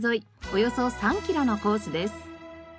およそ３キロのコースです。